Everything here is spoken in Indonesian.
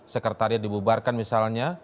sekretariat dibubarkan misalnya